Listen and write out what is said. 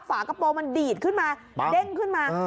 ฝากระโปรงมันดีดขึ้นมาเด้งขึ้นมา